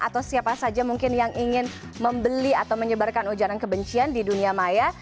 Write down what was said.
atau siapa saja mungkin yang ingin membeli atau menyebarkan ujaran kebencian di dunia maya